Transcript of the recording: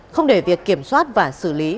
không để việc kiểm soát và xử lý